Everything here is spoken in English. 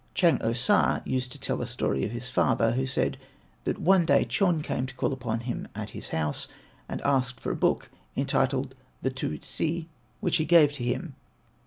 Chang O sa used to tell a story of his father, who said that one day Chon came to call upon him at his house and asked for a book entitled The Tu si, which he gave to him.